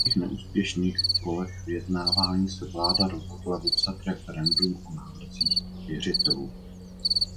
Po dalších neúspěšných kolech vyjednávání se vláda rozhodla vypsat referendum o návrzích věřitelů.